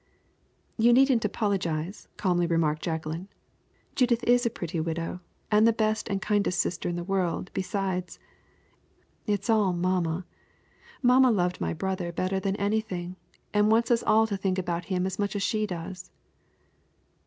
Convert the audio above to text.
"You needn't apologize," calmly remarked Jacqueline. "Judith is a pretty widow, and the best and kindest sister in the world, besides. It is all mamma. Mamma loved my brother better than anything, and wants us all to think about him as much as she does."